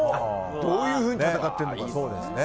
どういうふうに戦ってるのか。